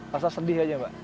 pasti sedih aja mbak